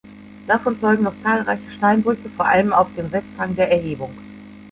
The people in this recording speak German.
Davon zeugen noch zahlreiche Steinbrüche, vor allem auf dem Westhang der Erhebung.